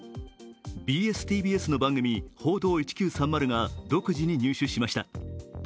ＢＳ−ＴＢＳの番組「報道１９３０」が独自に入手しました。